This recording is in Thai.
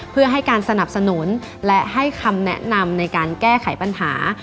เพื่อให้การสนับสนุนและให้คำแนะนำในการแก้ไขปัญหา